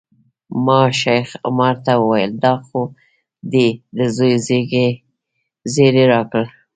ما شیخ عمر ته وویل دا خو دې د زوی زیری راکړ.